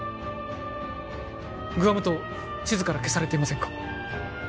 グアム島地図から消されていませんか？